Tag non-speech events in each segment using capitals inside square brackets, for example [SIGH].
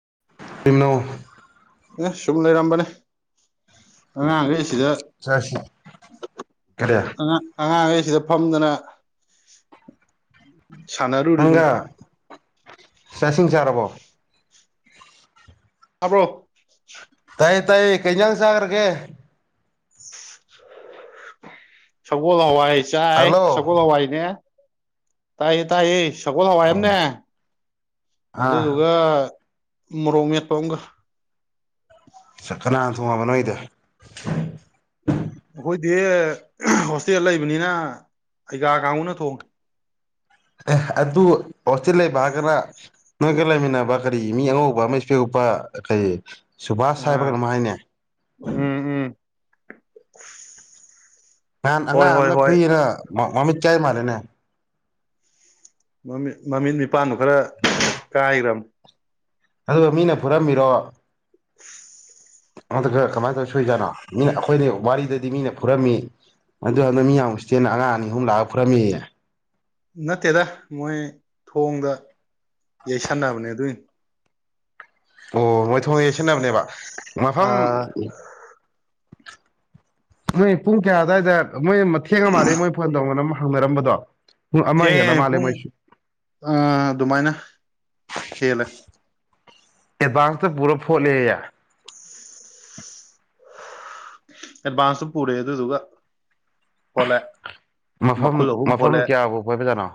[INAUDIBLE] ꯑꯦ ꯁꯨꯝ ꯂꯩꯔꯝꯕꯅꯦ ꯑꯉꯥꯡꯈꯩ ꯗ ꯆꯥꯁꯤ ꯀꯔꯤ ꯑ ꯑꯉꯥꯡꯒꯩ ꯁꯤꯗ ꯐꯝꯗꯅ ꯁꯥꯟꯅꯔꯨꯔꯤꯕꯅꯤ ꯆꯥꯛ ꯏꯁꯤꯡ ꯆꯥꯔꯕꯣ ꯍꯥꯎꯕ꯭ꯔꯣ ꯇꯥꯏ ꯇꯥꯏ ꯀꯩꯖꯥꯡ ꯆꯥꯒ꯭ꯔꯒꯦ ꯁꯒꯣꯜ ꯍꯋꯥꯏ ꯆꯥꯏ ꯍꯜꯂꯣ ꯁꯒꯣꯜ ꯍꯋꯥꯏꯅꯦ ꯇꯥꯏꯌꯦ ꯇꯥꯏꯌꯦ ꯁꯒꯣꯜ ꯍꯋꯥꯏ ꯑꯣ ꯑꯃꯅꯦ ꯑꯥ ꯑꯗꯨꯗꯨꯒ ꯃꯔꯣꯛ ꯃꯦꯠꯄꯥ ꯑꯃꯒ ꯆꯥꯛ ꯀꯅꯥ ꯊꯣꯡꯉꯕ ꯅꯣꯏꯗꯤ ꯍꯣꯏ ꯗꯤ ꯍꯣꯁꯇꯦꯜ ꯂꯩꯕꯅꯤꯅ ꯑꯩꯩꯒꯥ ꯀꯥꯡꯕꯨꯅ ꯊꯣꯡꯉꯦ ꯑꯦ ꯑꯗꯨ ꯍꯣꯁꯇꯦꯜ ꯂꯩꯕ ꯍꯥꯏꯔꯒ ꯅꯣꯏꯒ ꯂꯩꯃꯤꯟꯅꯕ ꯀꯔꯤ ꯃꯤ ꯑꯉꯧꯕ ꯑꯃ ꯏꯁꯄꯦꯛ ꯎꯞꯄ ꯄꯥ ꯀꯔꯤ ꯁꯨꯕꯥꯁ ꯍꯥꯏꯕ ꯑꯥ ꯀꯩꯅꯣꯝ ꯍꯥꯏꯅꯦ ꯎꯝ [INAUDIBLE] ꯅꯍꯥꯟ ꯍꯣꯏ ꯑꯉꯥꯡ ꯍꯣꯏ ꯑꯃ ꯍꯣꯏ ꯐꯨꯏꯌꯦꯅ ꯃꯃꯤꯠ ꯍꯥꯏ ꯃꯥꯜꯂꯦꯅꯦ ꯃꯃꯤꯠ ꯃꯃꯤꯠ ꯃꯤꯄꯥꯟꯗꯨꯣ ꯈꯔ ꯀꯥꯏꯒ꯭ꯔꯝꯅꯤ ꯑꯗꯨꯒ ꯃꯤꯅ ꯐꯨꯔꯝꯃꯤꯔꯣ [INAUDIBLE] ꯑꯗꯨꯒ ꯀꯃꯥꯏꯅ ꯇꯧꯔ ꯁꯣꯛꯏ ꯖꯥꯠꯅꯣ ꯃꯤꯅ ꯑꯩꯈꯣꯏꯅ ꯋꯥꯔꯤꯗꯗꯤ ꯃꯤꯅ ꯐꯨꯔꯝꯃꯤ ꯑꯗꯨ ꯍꯟꯗꯛ ꯃꯤ ꯌꯥꯝ ꯎꯁꯤꯠꯇꯦꯅ ꯑꯉꯥꯡ ꯑꯅꯤ ꯑꯍꯨꯝ ꯂꯥꯛꯑꯒ ꯐꯨꯔꯝꯃꯦꯌꯦ ꯅꯠꯇꯦꯗ ꯃꯣꯏ ꯊꯣꯡꯗ ꯌꯩꯁꯟꯅꯕꯅꯦ ꯑꯗꯨꯏꯅꯤ ꯑꯣ ꯃꯣꯏ ꯊꯣꯡꯗ ꯌꯩꯁꯤꯟꯅꯕꯅꯦꯕ ꯑ ꯃꯐꯝ ꯃꯣꯏ ꯄꯨꯡ ꯀꯌꯥ ꯑꯗꯨꯋꯥꯏꯗ ꯃꯣꯏ ꯊꯦꯡꯉ ꯃꯥꯜꯂꯦ ꯃꯣꯏ ꯐꯣꯟ ꯇꯧꯅꯔꯝꯕ ꯍꯪꯅꯔꯝꯕꯗꯣ ꯄꯨꯡ ꯑꯃ ꯍꯦꯜꯂ ꯊꯦꯡꯉꯦ ꯃꯥꯜꯂꯦ ꯄꯨꯡ ꯃꯣꯏꯁꯨ ꯑ ꯑꯗꯨꯃꯥꯏꯅ ꯍꯦꯜꯂꯦ ꯑꯦꯗꯚꯥꯟꯁꯇ ꯄꯨꯔ ꯐꯣꯠꯂꯦꯌꯦ [UNINTELLIGIBLE] ꯑꯦꯗꯚꯥꯟꯁꯇꯨ ꯄꯨꯔꯦ ꯑꯗꯨꯗꯨꯒ ꯍꯣꯜꯂꯦ ꯃꯐꯝ ꯃꯈꯨꯜ ꯑꯍꯨꯝ ꯐꯣꯂꯦ ꯃꯐꯝ ꯀꯌꯥꯕꯨ ꯀꯣꯏꯕꯖꯥꯠꯅꯣ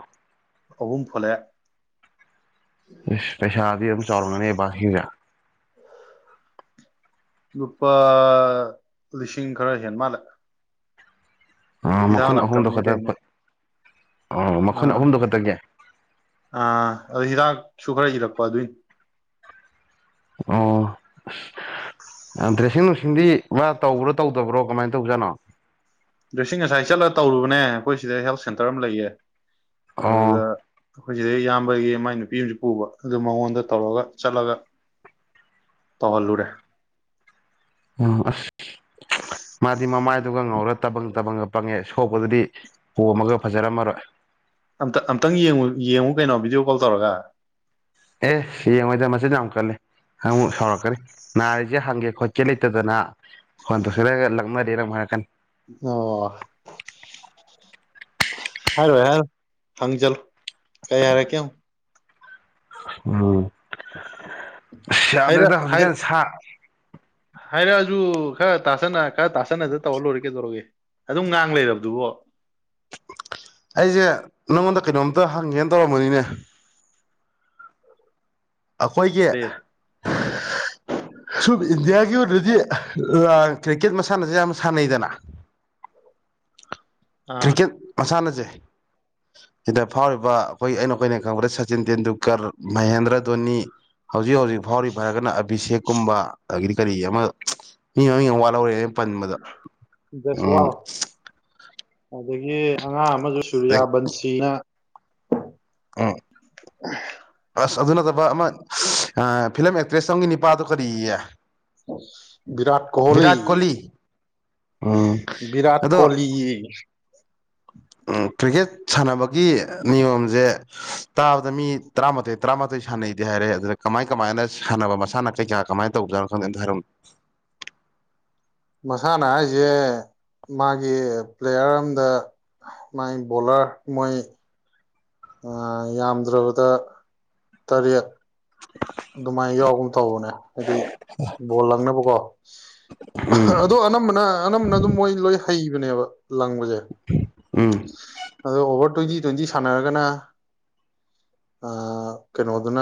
ꯑꯍꯨꯝ ꯐꯣꯂꯦ ꯏꯁ ꯄꯩꯁꯥꯗꯤ ꯑꯝ ꯆꯥꯎꯔꯝꯉꯅꯤ ꯕꯥ ꯍꯤꯅ ꯂꯨꯄꯥ ꯂꯤꯁꯤꯡ ꯈꯔ ꯍꯦꯟ ꯃꯥꯜꯂꯦ ꯎꯝ ꯍꯤꯗꯥꯛ ꯃꯈꯨꯟ ꯑꯍꯨꯝꯗꯣ ꯂꯥꯡꯊꯛꯅꯦ ꯈꯛꯇ ꯀꯩꯅꯦ ꯎꯝ ꯃꯈꯨꯟ ꯑꯥ ꯑꯍꯨꯝꯗꯣ ꯈꯛꯇꯒꯦ ꯑꯥ ꯑꯗꯣ ꯍꯤꯗꯥꯛꯁꯨ ꯈꯔ ꯏꯔꯛꯄ ꯑꯗꯨꯏꯅꯤ [INAUDIBLE] ꯌꯥꯝ ꯗ꯭ꯔꯦꯁꯤꯡ ꯅꯨꯡꯁꯤꯡꯗꯤ ꯃꯥ ꯇꯧꯕ꯭ꯔꯣ ꯇꯧꯗꯕ꯭ꯔꯣ ꯀꯃꯥꯏꯟ ꯇꯧꯖꯥꯠꯅꯣ ꯗꯦꯁꯤꯡ ꯉꯁꯥꯏ ꯆꯠꯂ ꯇꯧꯔꯨꯕꯅꯦ ꯑꯈꯣꯏ ꯁꯤꯗ ꯍꯦꯜꯠ ꯁꯦꯟꯇꯔ ꯑꯃ ꯂꯩꯌꯦ ꯑꯗꯨꯗ ꯑꯣ ꯈꯣꯏ ꯖꯤꯗꯩ ꯏꯌꯥꯝꯕꯒꯤ ꯃꯥꯏ ꯅꯨꯄꯤ ꯑꯝꯁꯨ ꯄꯨꯕ ꯑꯗꯨ ꯃꯉꯣꯟꯗ ꯇꯧꯔꯒ ꯆꯠꯂꯒ ꯇꯧꯍꯜꯂꯨꯨꯔꯦ ꯎꯝ ꯑꯁ ꯃꯥꯗꯤ ꯃꯃꯥꯏ ꯑꯗꯨꯒ ꯉꯧꯔ ꯇꯕꯪ ꯇꯕꯪꯒ ꯄꯪꯉꯦ ꯁꯣꯛꯄꯗꯨꯗꯤ ꯄꯣꯝꯃꯒ ꯐꯖꯔꯝꯃꯔꯣꯏ ꯑꯝꯇ ꯑꯝꯇꯪ ꯌꯦꯡꯉꯨ ꯌꯦꯡꯉꯨ ꯀꯩꯅꯣ ꯚꯤꯗꯤꯑꯣ ꯀꯣꯜ ꯇꯧꯔꯒ ꯑꯦ ꯌꯦꯡꯉꯣꯏꯗ ꯃꯆꯤꯟ ꯌꯥꯝ ꯀꯜꯂꯦ ꯪ ꯑꯃꯨꯛ ꯁꯥꯎꯔꯛꯀꯅꯤ ꯅꯥꯔꯤꯁꯦ ꯍꯪꯒꯦ ꯈꯣꯠꯀꯦ ꯂꯩꯇꯗꯅ ꯐꯣꯟ ꯇꯧꯁꯤꯜꯂꯒ ꯂꯛꯅꯔꯤꯔ ꯃꯨ ꯌꯥꯏꯔꯛꯀꯟ ꯑꯣ ꯍꯥꯏꯔꯣꯏ ꯍꯔ ꯐꯪꯖꯜ ꯀꯩ ꯍꯥꯏꯔꯛꯀꯦ ꯌꯦꯡꯉ ꯎꯝ ꯑꯁ ꯌꯥꯗ꯭ꯔꯦꯗ ꯍꯧꯖꯤꯛꯀꯥꯟ ꯁꯥ ꯍꯥꯏꯔꯛꯑꯖꯨ ꯈꯔ ꯇꯥꯁꯅ ꯈꯔ ꯇꯥꯁꯅꯗ ꯇꯧꯔ ꯂꯣꯏꯔꯦ ꯀꯩꯗꯧꯔꯒꯦ ꯑꯗꯨꯝ ꯉꯥꯡ ꯂꯩꯔꯕꯗꯨꯕꯣ ꯑꯩꯖꯦ ꯅꯪꯉꯣꯟꯗ ꯀꯩꯅꯣꯝꯇ ꯍꯪꯒꯦꯟ ꯇꯧꯔꯝꯕꯅꯤꯅꯦ ꯑꯈꯣꯏꯒꯤ ꯄ꯭ꯂꯦ [UNINTELLIGIBLE] ꯁꯨꯝ ꯏꯟꯗꯤꯌꯥꯒꯤ ꯑꯣꯏꯅꯗꯤ ꯀ꯭ꯔꯤꯀꯦꯠ ꯃꯁꯥꯟꯅꯖꯦ ꯌꯥꯝ ꯁꯥꯟꯅꯩꯗꯅ ꯎ ꯀ꯭ꯔꯤꯀꯦꯠ ꯃꯁꯥꯟꯅꯖꯦ ꯢꯗ ꯐꯥꯎꯔꯤꯕ ꯑꯈꯣꯏ ꯑꯩ ꯀꯣꯏꯅ ꯈꯪꯉꯕꯗ ꯁꯆꯤꯟ ꯇꯦꯟꯗꯨꯀꯔ ꯃꯍꯦꯟꯗ꯭ꯔꯠ ꯗꯨꯅꯤ ꯍꯧꯖꯤꯛ ꯍꯧꯖꯤꯛ ꯐꯥꯎꯔꯤꯕ ꯍꯥꯏꯔꯒꯅ ꯑꯕꯤꯁꯦꯛꯀꯨꯝꯕ ꯑꯒꯤꯗꯤ ꯀꯔꯤ ꯑꯃ ꯃꯤ ꯃꯃꯤꯡ ꯑꯃ ꯋꯥꯠꯍꯧꯔꯦꯍꯦ ꯄꯟꯕꯗ ꯎꯝ ꯖꯁꯋꯥꯜ ꯑꯗꯒꯤ ꯑꯉꯥꯡ ꯑꯃꯁꯨ ꯁꯨꯔꯤꯌꯥ ꯕꯟꯆꯤꯅ ꯎꯪ ꯑꯁ ꯑꯗꯨ ꯅꯠꯇꯕ ꯑꯃ ꯑꯥ ꯐꯤꯂꯝ ꯑꯦꯛꯇ꯭ꯔꯦꯁ ꯑꯝꯒꯤ ꯅꯤꯄꯥꯗꯣ ꯀꯔꯤꯌꯦ ꯑꯣ ꯕꯤꯔꯥꯠ ꯀꯣꯍꯣꯂꯤ ꯚꯤꯔꯥꯠ ꯀꯣꯂꯤ ꯎꯝ ꯕꯤꯔꯥꯠ ꯑꯗꯣ ꯀꯣꯂꯤ ꯀ꯭ꯔꯤꯛꯀꯦꯠ ꯁꯥꯟꯅꯕꯒꯤ ꯅꯤꯌꯣꯝꯖꯦ ꯇꯥꯕꯗ ꯃꯤ ꯇꯔꯥꯃꯥꯊꯣꯏ ꯇꯔꯥꯃꯥꯊꯣꯏ ꯁꯥꯟꯅꯩꯗꯤ ꯍꯥꯏ ꯍꯥꯏꯔꯦ ꯑꯗꯨꯗ ꯀꯃꯥꯏꯟ ꯀꯃꯥꯏꯟꯅ ꯁꯥꯟꯅꯕ ꯃꯁꯥꯟꯅ ꯀꯩ ꯀꯌꯥ ꯀꯃꯥꯏ ꯇꯧꯖꯅꯣ ꯈꯪꯗꯦ ꯑꯇ ꯍꯥꯏꯔꯝ ꯃꯁꯥꯅ ꯍꯥꯏꯖꯦ ꯃꯥꯒꯤ ꯄ꯭ꯂꯦꯌꯥꯔ ꯑꯝꯗ ꯃꯥꯏ ꯕꯣꯂꯔ ꯃꯣꯏ ꯌꯥꯝꯗ꯭ꯔꯕꯗ ꯇꯔꯦꯠ ꯑꯗꯨꯃꯥꯏꯅ ꯌꯥꯎꯕꯝ ꯇꯧꯕꯅꯦ ꯍꯥꯏꯗꯤ ꯕꯣꯜ ꯂꯪꯅꯕꯀꯣ ꯑꯗꯣ ꯎꯝ ꯑꯅꯝꯕꯅ ꯑꯅꯝꯕꯅ ꯑꯗꯨꯝ ꯃꯣꯏ ꯂꯣꯏ ꯍꯩꯕꯅꯦꯕ ꯂꯪꯕꯖꯦ ꯎꯝ ꯑꯗꯣ ꯑꯣꯚꯔ ꯇ꯭ꯋꯦꯟꯇꯤ ꯇ꯭ꯋꯦꯟꯇꯤ ꯁꯥꯟꯅꯔꯒꯅ ꯑ ꯀꯩꯅꯣꯗꯨꯅ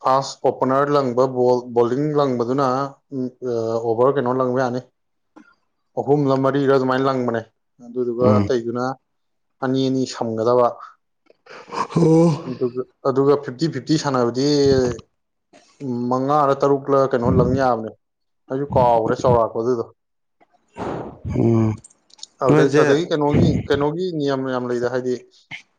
ꯐꯥꯁ ꯑꯣꯄꯅꯔ ꯂꯪꯕ ꯕꯣꯜ ꯕꯣꯂꯤꯡ ꯂꯪꯕꯗꯨꯅ ꯑꯣꯚꯔ ꯀꯩꯅꯣ ꯂꯪꯕ ꯌꯥꯅꯤ ꯑꯍꯨꯝꯂ ꯃꯔꯤꯔ ꯑꯗꯨꯃꯥꯏꯟ ꯂꯪꯕꯅꯦ ꯑꯗꯨꯗꯨꯒ ꯎꯝ ꯑꯇꯩꯗꯨꯅ ꯑꯅꯤ ꯑꯅꯤ ꯁꯝꯒꯗꯕ ꯀꯩꯇꯧꯖ‌ꯦ ꯑꯗꯨꯒ ꯐꯤꯞꯇꯤ ꯐꯤꯞꯇꯤ ꯁꯥꯟꯅꯕꯗꯤ ꯃꯉꯥꯔ ꯇꯔꯨꯛꯂ ꯀꯩꯅꯣ ꯂꯪ ꯌꯥꯕꯅꯦ ꯑꯩꯁꯨ ꯀꯥꯎꯔ‌ꯦ ꯆꯥꯎꯔꯥꯛꯄ ꯑꯗꯨꯗꯣ ꯎꯝ ꯑꯗꯩ ꯅꯣꯏꯁꯦ ꯑꯗꯩꯏ ꯀꯩꯅꯣꯒꯤ ꯀꯩꯅꯣꯒꯤ ꯅꯤꯌꯝ ꯌꯥꯝ ꯂꯩꯗ ꯍꯥꯏꯗꯤ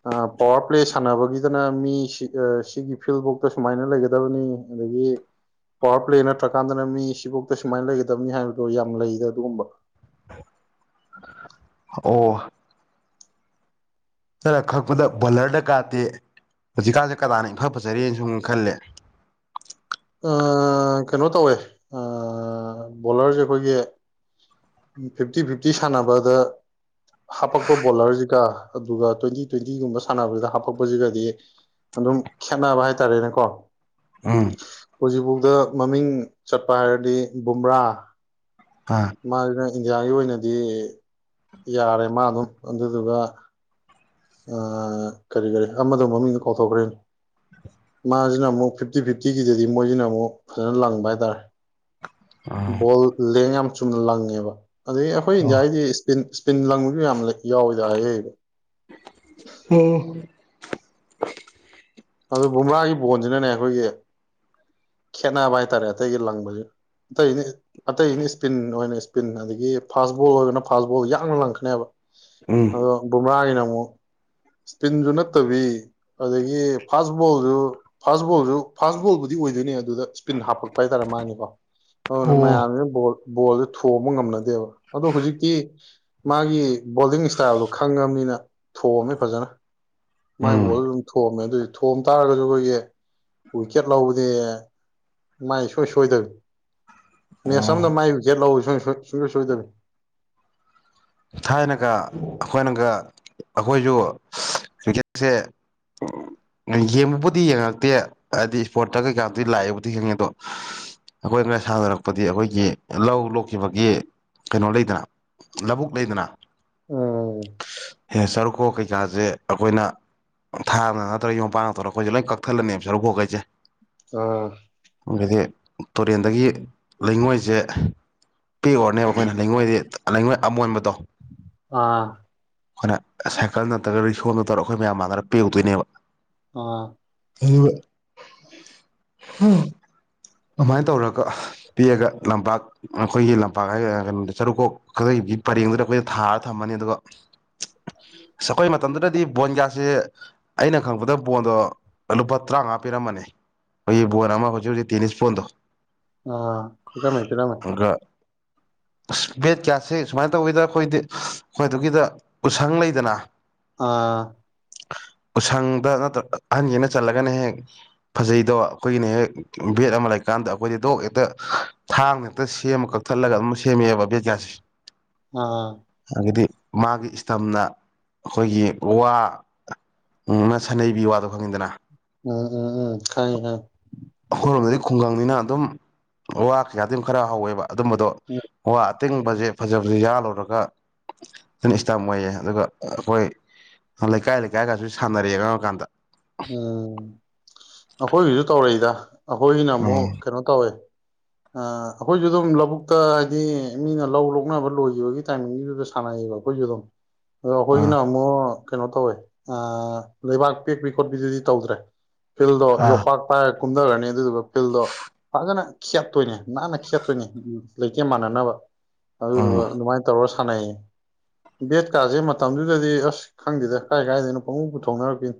ꯑꯥ ꯄꯋꯥꯔ ꯄ꯭ꯂꯦ ꯁꯥꯟꯅꯕꯒꯤꯗꯅ ꯃꯤ ꯁꯤꯒ ꯁꯤꯒꯤ ꯐꯤꯜꯖꯧꯇꯥ ꯁꯨꯃꯥꯏꯅ ꯂꯩꯒꯗꯕꯅꯤ ꯑꯗꯩ ꯉ‌ꯦꯡ ꯄꯋꯥꯔ ꯄ꯭ꯂꯦ ꯅꯠꯇ꯭ꯔꯀꯥꯟꯗꯅ ꯃꯤ ꯁꯤꯕꯧꯇꯥ ꯁꯨꯃꯥꯏꯅ ꯂꯩꯒꯗꯕꯅꯤ ꯍꯥꯏꯕꯗꯣ ꯌꯥꯝ ꯂꯩꯗ ꯑꯗꯨꯒꯨꯝꯕ [INAUDIBLE] ꯅꯪꯅ ꯈꯛꯄꯗ ꯕꯂꯔꯗ ꯀꯥꯇꯤ ꯍꯧꯖꯤꯛꯀꯥꯟꯁꯦ ꯀꯗꯥꯅ ꯏꯐ ꯐꯖꯔꯤꯅ ꯁꯨꯝ ꯈꯜꯂꯦ ꯑꯥ ꯀꯩꯅꯣ ꯇꯧꯋꯦ ꯑꯥ ꯕꯣꯂꯔꯁꯦ ꯑꯩꯈꯣꯏꯒꯤ ꯏꯪ ꯐꯤꯞꯇꯤ ꯐꯤꯞꯇꯤ ꯁꯥꯟꯅꯕꯗ ꯍꯥꯄꯛꯄ ꯕꯣꯂꯔꯁꯤꯒ ꯑꯗꯨꯒ ꯇ꯭ꯋꯦꯟꯇꯤ ꯇ꯭ꯋꯦꯟꯇꯤꯒꯨꯝꯕ ꯁꯥꯟꯅꯕꯁꯤꯗ ꯍꯥꯞꯄꯛꯄꯖꯤꯒꯗꯤ ꯑꯗꯨꯝ ꯈꯦꯠꯅꯕ ꯍꯥꯏꯇꯥꯔꯦꯅꯦꯀꯣ ꯎꯝ ꯍꯧꯖꯤꯛꯕꯧꯗꯥ ꯃꯃꯤꯡ ꯆꯠꯄ ꯍꯥꯏꯔꯗꯤ ꯕꯨꯝꯕ꯭ꯔꯥ ꯑꯥ ꯃꯥꯖ‍ꯦꯅ ꯏꯟꯗꯤꯌꯥꯒꯤ ꯑꯣꯏꯅꯗꯤ ꯌꯥꯔꯦ ꯃꯥ ꯑꯗꯨꯝ ꯑꯗꯨꯗꯨꯒ ꯑꯥ ꯀꯔꯤ ꯀꯔꯤ ꯑꯃꯗꯣ ꯃꯃꯤꯡꯗꯣ ꯀꯥꯎꯊꯣꯛꯈ꯭ꯔꯦꯅ‌ꯦ ꯃꯥꯖꯤꯅ ꯃꯨꯛ ꯐꯤꯞꯇꯤ ꯐꯤꯞꯇꯤꯒꯤꯗꯨꯗꯤ ꯃꯣꯏꯖꯤꯅ ꯃꯨꯛ ꯈꫪꯥ ꯂꯪꯕ ꯍꯥꯏꯇꯥꯔꯦ ꯑꯥ ꯕꯣꯜ ꯂꯦꯡ ꯌꯥꯝꯅ ꯆꯨꯝꯅ ꯂꯪꯉꯦꯕ ꯑꯗꯩ ꯑꯩꯈꯣꯏ ꯏꯟꯗꯤꯌꯥꯒꯤꯗꯤ ꯏꯁꯄꯤꯟ ꯏꯁꯄꯤꯟ ꯂꯪꯕꯁꯨ ꯌꯥꯝꯂꯩ ꯌꯥꯎ ꯍꯗ ꯍꯌ‌ꯦ [UNINTELLIGIBLE] ꯑꯗꯨ ꯕꯝꯔꯥꯒꯤ ꯕꯣꯟꯖꯤꯅꯅꯦ ꯑꯩꯈꯣꯏꯒꯤ ꯈꯦꯠꯅꯥꯕ ꯍꯥꯏꯇꯥꯔꯦ ꯑꯇꯩꯒꯤ ꯂꯪꯕꯖꯤꯒꯥ ꯑꯇꯩꯗꯤꯅ ꯑꯇꯩꯗꯤ ꯏꯁꯄꯤꯟ ꯑꯣꯏꯅ ꯏꯁꯄꯤꯟ ꯑꯗꯒꯤ ꯐꯥꯁ ꯕꯣꯜ ꯑꯣꯏꯕꯅ ꯐꯥꯁ ꯕꯣꯜ ꯌꯥꯡꯅ ꯂꯪꯉꯛꯀꯥꯅ‌ꯦꯕ ꯎꯝ ꯑꯗꯣ ꯕꫭꯝꯕ꯭ꯔꯥꯒꯤꯅ ꯃꯨꯛ ꯏꯁꯄꯤꯟꯁꯨ ꯅꯠꯇꯕꯤ ꯑꯗꯒꯤ ꯐꯥꯁ ꯕꯣꯜꯖꯨ ꯐꯥꯁꯕꯣꯜꯖꯨ ꯐꯥꯁ ꯕꯣꯜꯕꯨꯗꯤ ꯑꯣꯏꯗꯣꯏꯅꯦ ꯑꯗꯨꯗ ꯏꯁꯄꯤꯟ ꯍꯥꯞꯄꯛꯄ ꯍꯥꯏꯇꯥꯔꯦ ꯃꯥꯒꯤꯀꯣ ꯑꯗꯨꯅ ꯑꯣ ꯃꯌꯥꯝꯁꯤꯅ ꯕꫭꯜ ꯕꯣꯜꯁꯦ ꯊꯣꯡꯕ ꯉꯝꯅꯗꯦꯕ ꯑꯗꯣ ꯍꯧꯖꯤꯛꯇꯤ ꯃꯥꯒꯤ ꯕꯣꯜꯗꯤꯡ ꯏꯁꯇꯥꯏꯜꯗꯣ ꯈꯪꯉꯥꯃꯤꯅ ꯊꯣꯝꯃ‌ꯦ ꯐꯖꯅ ꯃꯥꯏ ꯎꯝ ꯕꯣꯜꯗꫭ ꯑꯗꯨꯝ ꯊꯣꯝꯃꯦ ꯑꯗꯨꯏꯖꯨ ꯊꯣꯝ ꯇꯥꯔꯒꯖꯨ ꯑꯩꯈꯣꯏꯒꯤ ꯋꯤꯀꯦꯠ ꯂꯧꯕꯗꯤ ꯃꯥꯏ ꯁꯣꯏ ꯁꯣꯏꯗꯕꯤ ꯃꯦꯁ ꯑꯣ ꯑꯝꯗ ꯃꯥꯏ ꯋꯤꯒ‌ꯦꯠ ꯂꯧꯎ ꯁꯨꯡ ꯁꯨꯡꯁꯣꯏ ꯁꯣꯏꯗꯕꯤ ꯊꯥꯏꯅꯒ ꯑꯩꯈꯣꯏꯅꯒ ꯑꯩꯈꯣꯏꯁꯨ ꯀ꯭ꯔꯤꯀꯦꯠꯁꯦ [INAUDIBLE] ꯌꯦꯡꯕꯕꯨꯗꯤ ꯌꯦꯡꯉꯛꯇꯦ ꯍꯥꯏꯗꯤ ꯏꯁꯄꯣꯔꯠꯇ ꯀꯩꯀꯥꯗꯤ ꯂꯥꯛꯑꯦꯕꯨꯗꯤ ꯈꯪꯉꯦ ꯑꯗꯣ ꯑꯩꯈꯣꯏꯅ ꯁꯥꯟꯅꯔꯛꯄꯗꯤ ꯑꯩꯈꯣꯏꯒꯤ ꯂꯧ ꯂꯣꯛꯈꯤꯕꯒꯤ ꯀꯩꯅꯣ ꯂꯩꯗꯅ ꯂꯥꯕꯨꯛ ꯂꯩꯗꯅꯥ ꯎꯝ ꯁꯔꯨꯛꯈꫭꯛ ꯀꯩꯀꯥꯁꯦ ꯑꯩꯈꯣꯏꯅ ꯊꯥꯡꯅ ꯅꯠꯇ꯭ꯔꯒ ꯌꯨꯝ ꯄꯥꯛꯅ ꯇꯧꯔ ꯑꯩꯈꯣꯏꯁꯦ ꯂꯣꯏ ꯀꯛꯊꯠꯂꯅꯦꯕ ꯁꯔꯨꯛꯣꯛꯈꯩꯁꯦ ꯑꯥ ꯇꯨꯔꯦꯟꯗꯒꯤ ꯂꯩꯉꯣꯏꯁꯦ ꯄ‌ꯦꯛꯎꯔꯅꯦꯕ ꯑꯩꯈꯣꯏꯅ ꯂꯩꯉꯣꯏꯗꯤ ꯂꯩꯉꯣꯏ ꯑꯃꯣꯟꯕꯗꯣ ꯑꯥ ꯑꯩꯈꯣꯏꯅ ꯁꯥꯏꯀꯜ ꯅꯠꯇ꯭ꯔꯒ ꯔꯤꯛꯁꯣꯅ ꯇꯧꯔꯒ ꯑꯩꯈꯣꯏ ꯃꯌꯥꯝ ꯃꯥꯟꯅꯔ ꯄ‌ꯦꯛꯎꯨꯗꯣꯏꯅꯦꯕ ꯑꯥ ꯑꯗꯨꯕꫭ [UNINTELLIGIBLE] ꯍꯝ ꯑꯗꯨꯃꯥꯏꯅ ꯇꯧꯔꯒ ꯄꯤꯑꯒ ꯂꯝꯄꯥꯛ ꯑꯩꯈꯣꯏꯒꯤ ꯂꯝꯄꯥꯛ ꯍꯥꯏ ꯀꯩꯅꯣꯗ ꯆꯔꯨꯛꯀꯣꯛ ꯈ ꯄꯔꯦꯡꯗꯨꯗ ꯑꯩꯈꯣꯏꯗ ꯊꯥꯔ ꯊꯝꯃꯅꯤ ꯑꯗꯨꯒꯈꯣꯏ ꯃꯇꯝꯗꯨꯗꯗꯤ ꯕꯣꯟ ꯒ꯭ꯌꯥꯁꯁꯦ ꯑꯩꯅ ꯈꯪꯕꯗ ꯕꯣꯟꯗꯣ ꯂꯨꯄꯥ ꯇꯔꯥꯃꯉꯥ ꯄꯤꯔꯝꯃꯅꯤ ꯑꯩꯏ ꯅꯥꯃ ꯍꯧꯆ ꯍꯧ ꯇꯦꯅꯤꯁꯄꯣꯟꯟꯗꯣ ꯑꯥ ꯄꯤꯔꯃꯦ ꯄꯤꯔꯃꯦ ꯕꯦꯠ ꯀꯌꯥꯁꯦ ꯁꯨꯃꯥꯏꯅ ꯇꯧꯋꯤꯗ ꯑꯩꯈꯣꯏꯗꯤ ꯑꯩꯈꯣꯏꯗꯨꯒꯤꯗ ꯎꯁꯪ ꯂꯩꯗꯅ ꯑꯥ ꯎꯁꯪꯗ ꯅꯠꯇ꯭ꯔ ꯑꯍꯟꯒꯤꯅ ꯆꯜꯂꯒꯅ ꯍꯦꯛ ꯐꯖꯩꯗꯣ ꯑꯩꯈꯣꯏꯒꯤꯅ ꯍꯦꯛ ꯕꯦꯠ ꯑꯃ ꯂꯩꯀꯥꯟꯗ ꯑꯩꯈꯣꯏꯗꯤ ꯗꯣꯛ ꯍꯦꯛꯇ ꯊꯥꯡꯅ ꯍꯦꯛꯇ ꯁꯦꯝꯃ ꯀꯛꯊꯠꯂꯒ ꯑꯗꯨꯝ ꯁꯦꯝꯃꯦꯑꯕ ꯕꯦꯠ ꯀꯌꯥꯁꯦ ꯑꯥ ꯑꯗꯤ ꯃꯥꯒꯤ ꯏꯁꯇꯝꯅ ꯑꯩꯈꯣꯏꯒꯤ ꯋꯥ ꯉꯅ ꯁꯥꯟꯅꯩꯕꯤ ꯋꯥꯗꯣ ꯈꯪꯉꯤꯗꯅ ꯎꯝ ꯎꯝ ꯎꯝ ꯍ ꯍ ꯑꯩꯈꯣꯏꯔꯣꯝꯗꯗꯤ ꯈꯨꯡꯒꯪꯅꯤꯅ ꯑꯗꯨꯝ ꯋꯥ ꯀꯩꯌꯥꯗꯤ ꯑꯗꯨꯝ ꯈꯔ ꯍꯧꯋꯦꯕ ꯑꯗꯨꯝꯕꯗꯣ ꯋꯥ ꯑꯇꯤꯡꯕꯁꯦ ꯐꯖꯕꯁ ꯌꯥ ꯂꯧꯔꯒ ꯑꯗꯨꯅ ꯏꯁꯇꯝ ꯑꯣꯏꯌꯦ ꯑꯗꯨꯒ ꯑꯩꯈꯣꯏ ꯂꯩꯀꯥꯏ ꯂꯩꯀꯥꯏꯒꯁꯨ ꯁꯥꯟꯅꯔꯦ ꯀꯔꯝ ꯀꯥꯟꯗ ꯎꯝ ꯑꯍꯣꯏ ꯏ ꯅꯃꯨ ꯎꯝ ꯀꯩꯅꯣ ꯇꯧꯋꯦ ꯑꯩꯈꯣꯏꯁꯨ ꯑꯗꯨꯝ ꯂꯧꯕꯨꯛꯇ ꯍꯥꯏꯗꯤ ꯃꯤꯅ ꯂꯧ ꯂꯣꯛꯅꯕ ꯂꯣꯏꯈꯤꯕꯒꯤ ꯇꯥꯏꯃꯤꯡꯒꯤꯗꯨꯗ ꯁꯥꯟꯅꯩꯌꯦꯕ ꯑꯩꯈꯣꯏ ꯗꯣ ꯑꯗꯣ ꯑꯩꯈꯣꯏꯒꯤꯅ ꯑꯥ ꯑꯃꯨꯛ ꯀꯩꯅꯣ ꯇꯧꯋꯦ ꯂꯩꯕꯥꯛ ꯄꯦꯛꯄꯤ ꯈꯣꯠꯄꯤꯗꯨꯗꯤ ꯇꯧꯗ꯭ꯔꯦ ꯐꯤꯜꯗꯣ ꯑꯥ ꯌꯣꯄꯥꯛ ꯄꯥꯏꯔꯒ ꯀꯨꯝꯊꯔꯅꯤ ꯑꯗꯨꯗꯨꯒ ꯐꯤꯜꯗꯣ ꯐꯖꯅ ꯈꯦꯠꯇꯣꯏꯅꯦ ꯅꯥꯟꯅ ꯈꯦꯠꯇꯣꯏꯅꯦ ꯎ ꯂꯩꯇꯦ ꯃꯥꯟꯅꯅꯕ ꯑꯗꯨꯗꯨꯒꯥ ꯎꯝ ꯑꯗꯨꯃꯥꯏꯅ ꯇꯧꯔꯒ ꯁꯥꯟꯅꯩꯌꯦ ꯕꯦꯠꯀꯥꯁꯦ ꯃꯇꯝꯗꯨꯗꯗꯤ ꯑꯁ ꯈꯪꯗꯦꯗ ꯀꯥꯏ ꯀꯥꯏꯗꯅꯣ ꯄꯪꯉꯨ ꯄꯨꯊꯣꯡꯅꯔꯛꯈꯤꯣ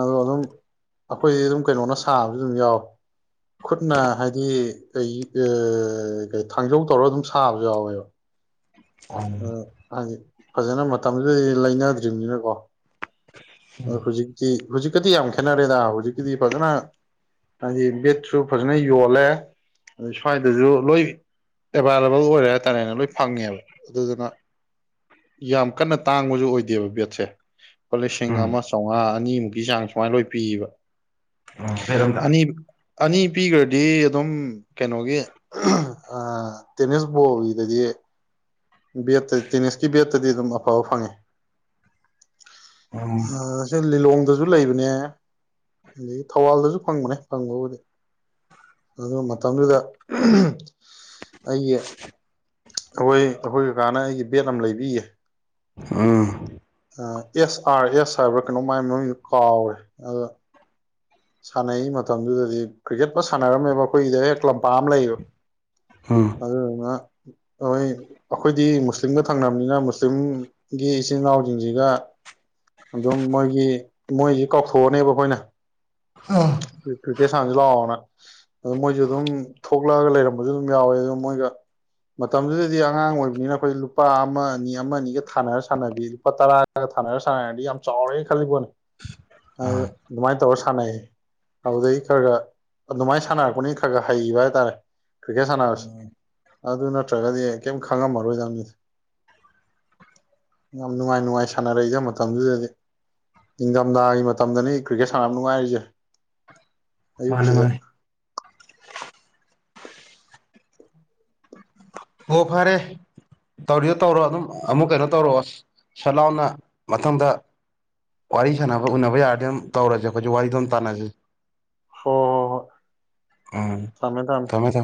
ꯑꯗꯣ ꯑꯗꯨꯝ ꯑꯩꯈꯣꯏꯗꯤ ꯑꯗꯨꯝ ꯀꯩꯅꯣꯅ ꯁꯥꯕꯁꯨ ꯑꯗꯨꯝ ꯌꯥꯎꯋ ꯈꯨꯠꯅ ꯍꯥꯏꯗꯤ ꯑꯩ ꯀ ꯊꯥꯡꯖꯧ ꯇꯧꯔꯒ ꯑꯗꯨꯝ ꯁꯥꯕꯁꯨ ꯌꯥꯎꯋꯦꯕ ꯑꯥ ꯍꯥꯏꯖꯤ ꯐꯖꯅ ꯃꯇꯝꯁꯤꯗ ꯂꯩꯅꯗ꯭ꯔꯤꯕꯅꯤꯅꯀꯣ ꯑꯥ ꯍꯧꯖꯤꯛꯇꯤ ꯍꯧꯖꯤꯛꯀꯗꯤ ꯌꯥꯝ ꯈꯦꯠꯅꯔꯦꯗ ꯍꯧꯖꯤꯛꯀꯤꯗꯤ ꯐꯖꯅ ꯍꯥꯏꯗꯤ ꯕꯦꯠꯁꯨ ꯐꯖꯅ ꯌꯣꯜꯂꯦ ꯑꯗꯨ ꯁ꯭ꯋꯥꯏꯗꯁꯨ ꯂꯣꯏ ꯑꯦꯕꯥꯏꯂꯦꯕꯜ ꯑꯣꯏꯔꯦ ꯍꯥꯏꯇꯥꯔꯦꯅ ꯂꯣꯏ ꯐꯪꯉꯦꯕ ꯑꯗꯨꯗꯨꯅ ꯌꯥꯝ ꯀꯟꯅꯥ ꯇꯥꯡꯕꯁꯨ ꯑꯣꯏꯗꯦꯕ ꯕꯦꯠꯁꯦꯡ ꯂꯤꯁꯤꯡ ꯎꯝ ꯑꯃ ꯆꯥꯝꯃꯉꯥ ꯑꯅꯤꯃꯨꯛꯀꯤ ꯆꯥꯡ ꯁꯨꯃꯥꯏ ꯂꯣꯏ ꯄꯤꯕ ꯎꯝ ꯕꯦꯠ ꯑꯝꯇ ꯑꯅꯤ ꯑꯅꯤ ꯄꯤꯈ꯭ꯔꯗꯤ ꯑꯗꯨꯝ ꯀꯩꯅꯣꯒꯤ ꯇꯦꯅꯤꯁ ꯕꯣꯜꯒꯤꯗꯗꯤ ꯕꯦꯠꯇ ꯇꯦꯅꯤꯁꯀꯤ ꯕꯦꯠꯇꯗꯤ ꯑꯗꯨꯝ ꯑꯐꯕ ꯐꯪꯉꯦ ꯎꯝ ꯑꯁꯦ ꯂꯤꯂꯣꯡ ꯗꯁꯨ ꯂꯩꯕꯅꯦ ꯑꯗꯒꯤ ꯊꯧꯕꯥꯜꯗꯁꯨ ꯐꯪꯕꯅꯦ ꯐꯪꯕꯕꯨꯗꯤ [INAUDIBLE] ꯑꯗꯨꯒ ꯃꯇꯝꯗꯨꯗ ꯑꯩꯒꯤ ꯑꯩꯈꯣꯏ ꯑꯩꯈꯣꯏ ꯀꯀꯥꯅ ꯑꯩꯒꯤ ꯕꯦꯠ ꯑꯃ ꯂꯩꯕꯤꯌꯦ ꯑꯥ ꯑꯦꯁ ꯑꯥꯔ ꯑꯦꯁ ꯍꯥꯏꯕ꯭ꯔꯥ ꯀꯩꯅꯣ ꯃꯥꯏ ꯃꯌꯗꯨ ꯀꯥꯎꯔꯦ ꯑꯗ ꯁꯥꯟꯅꯩ ꯃꯇꯝꯗꯨꯗꯗꯤ ꯀ꯭ꯔꯤꯛꯀꯦꯠ ꯑꯃ ꯁꯥꯟꯅꯔꯝꯃꯦꯕ ꯑꯩꯈꯣꯏꯒꯤꯗ ꯍꯦꯛ ꯂꯝꯄꯥꯛ ꯑꯃ ꯂꯩꯌꯦꯕ ꯎꯝ ꯑꯗꯨꯗꯨꯅꯥ ꯍꯣꯏ ꯑꯩꯈꯣꯏꯗꯤ ꯃꯨꯁꯂꯤꯝꯒ ꯊꯪꯅꯕꯅꯤꯅ ꯃꯨꯁꯂꯤꯝꯒꯤ ꯏꯆꯤꯟ ꯏꯅꯥꯎꯁꯤꯡꯁꯤꯒꯥ ꯑꯗꯨꯝ ꯃꯣꯏꯒꯤ ꯃꯣꯏꯁꯤ ꯀꯥꯎꯊꯣꯛꯑꯅꯦꯕ ꯑꯩꯈꯣꯏꯅ ꯑꯣ ꯀꯤꯀꯦꯠ ꯁꯥꯡꯖ ꯂꯅ ꯑꯗꯨ ꯃꯣꯏꯁꯨ ꯑꯗꯨꯝ ꯊꯣꯛꯂꯛꯑꯒ ꯂꯩꯔꯝꯕꯁꯨ ꯑꯗꯨꯝ ꯌꯥꯎꯋꯦ ꯑꯗꯨ ꯃꯣꯏꯒ ꯃꯇꯝꯗꯨꯗꯗꯤ ꯑꯉꯥꯡ ꯑꯣꯏꯕꯅꯤꯅ ꯑꯩꯈꯣꯏ ꯂꯨꯄꯥ ꯑꯃ ꯑꯅꯤ ꯑꯃ ꯑꯅꯤꯒ ꯊꯥꯅꯔ ꯁꯥꯟꯅꯕꯤ ꯂꯨꯄꯥ ꯇꯔꯥ ꯁꯥꯟꯅꯔ ꯁꯥꯟꯅꯔꯗꯤ ꯌꯥꯝ ꯆꯥꯎꯔꯦꯅ ꯈꯜꯂꯤꯕꯣꯅꯦ ꯑꯗꯨꯃꯥꯏꯅ ꯇꯧꯔ ꯁꯥꯟꯅꯩꯌꯦ ꯑꯗꯨꯩ ꯈꯔꯒ ꯑꯗꯨꯃꯥꯏꯅ ꯁꯥꯟꯅꯔꯛꯄꯅꯤ ꯈꯔ ꯈꯔ ꯍꯩꯕ ꯍꯥꯏꯇꯥꯔꯦ ꯀ꯭ꯔꯤꯀꯦꯠ ꯁꯥꯟꯅꯕꯁꯤ ꯑꯗꯨ ꯅꯠꯇ꯭ꯔꯒꯗꯤ ꯀꯩꯝ ꯈꯪꯉꯝꯃꯔꯣꯏꯗꯪꯅꯤ ꯌꯥꯝ ꯅꯨꯡꯉꯥꯏ ꯅꯨꯡꯉꯥꯏ ꯁꯥꯟꯅꯔꯛꯏꯗ ꯃꯇꯝꯗꯨꯗꯗꯤ ꯅꯤꯡꯊꯝꯊꯥꯒꯤ ꯃꯇꯝꯗꯅꯤ ꯀ꯭ꯔꯤꯀꯦꯠ ꯁꯥꯟꯅꯕ ꯅꯨꯡꯉꯥꯏꯔꯤꯁꯦ ꯃꯥꯅꯦ ꯑꯌꯨꯛꯁꯤꯗ ꯃꯥꯅꯦ ꯑꯣ ꯐꯔꯦ ꯇꯧꯔꯤꯗꯣ ꯇꯧꯔꯣ ꯑꯗꯨꯝ ꯑꯃꯨꯛ ꯀꯩꯅꯣ ꯇꯧꯔꯛꯑꯣ ꯁ ꯂꯥꯎꯅ ꯃꯊꯪꯗ ꯋꯥꯔꯤ ꯁꯥꯟꯅꯕ ꯎꯅꯕ ꯌꯥꯔꯗꯤ ꯑꯗꯨꯝ ꯇꯧꯔꯁꯦ ꯑꯩꯈꯣꯏ ꯋꯥꯔꯤꯗꯣ ꯑꯗꯨꯝ ꯇꯥꯟꯅꯁ ꯍꯣꯏ ꯍꯣꯏ ꯍꯣꯏ ꯎꯝ ꯊꯝꯃꯦ ꯊꯝꯃꯦ ꯇꯃꯦ ꯊ